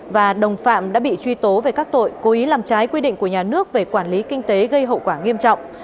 và đồng phạm đã bị truy tố về các tội cố ý làm trái quy định của nhà nước về quản lý kinh tế gây hậu quả nghiêm trọng